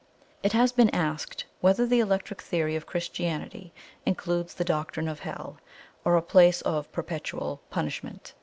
"It has been asked whether the Electric Theory of Christianity includes the doctrine of Hell, or a place of perpetual punishment.